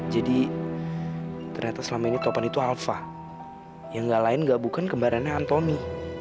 jadi ternyata selama ini topan itu alva yang gak lain gak bukan kembarannya anthony